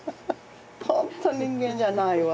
ほんと人間じゃないわ。